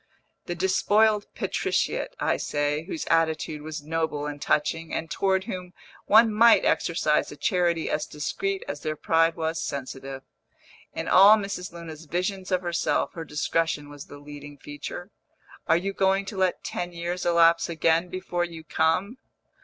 the despoiled patriciate, I say, whose attitude was noble and touching, and toward whom one might exercise a charity as discreet as their pride was sensitive. In all Mrs. Luna's visions of herself, her discretion was the leading feature. "Are you going to let ten years elapse again before you come?"